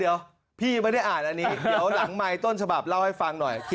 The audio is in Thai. เดี๋ยวพี่ยังไม่ได้อ่านอันนี้เดี๋ยวหลังไมค์ต้นฉบับเล่าให้ฟังหน่อย